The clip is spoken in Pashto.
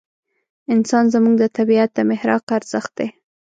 انسان زموږ د طبعیت د محراق ارزښت دی.